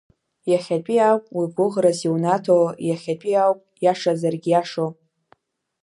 Иахьатәи ауп уи гәыӷрас иунаҭо, иахьатәи ауп иашозаргь иашо…